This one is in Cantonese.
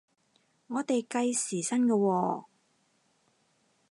我哋計時薪嘅喎？